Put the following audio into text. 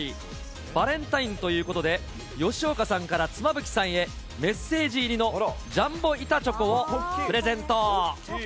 バレンタインということで、吉岡さんから妻夫木さんへ、メッセージ入りのジャンボ板チョコをプレゼント。